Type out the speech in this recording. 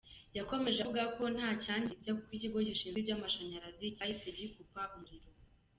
Yakomeje avuga ko nta cyangiritse kuko Ikigo Gishinzwe iby’Amashanyarazi cyahise gikupa umuriro.